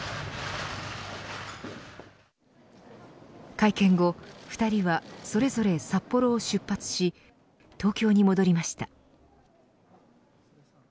会見後２人はそれぞれ札幌を出発し東京に戻りました。